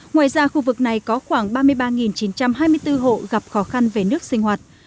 ngoài ra khu vực này có khoảng ba mươi ba chín trăm hai mươi bốn hộ gặp khó khăn về nước sinh hoạt